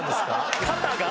肩が？